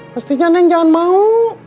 mestinya neng jangan mau